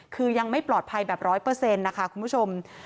คือยังไม่ปลอดภัยแบบร้อยเปอร์เซ็นต์นะคะคุณผู้ชม